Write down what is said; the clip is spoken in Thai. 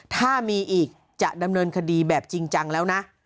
ถ้ามีอีกจะดำเนินคดีแบบจริงจังแล้วนะ